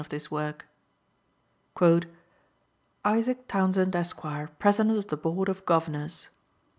of this work: "ISAAC TOWNSEND, Esq., President of the Board of Governors.